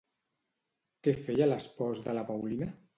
Què feia l'espòs de la Paulina?